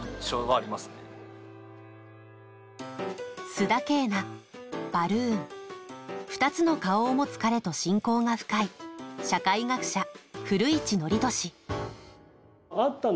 須田景凪、バルーン２つの顔を持つ彼と親交が深い社会学者・古市憲寿。